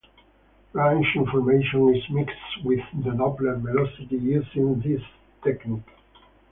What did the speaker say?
Range information is mixed with the Doppler velocity using this technique.